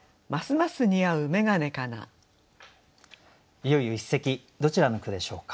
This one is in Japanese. いよいよ一席どちらの句でしょうか。